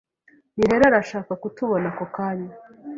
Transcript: Nirere arashaka kutubona ako kanya.